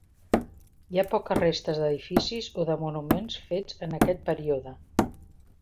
Hi ha poques restes d'edificis o de monuments fets en aquest període.